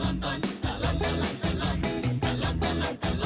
ต่อเพลง